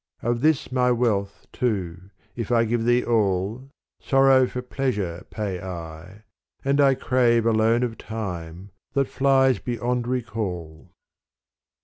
Of this my wealth too if I give thee all Sorrow for pleasure pay I, and I crave A loan of time that flies beyond recall.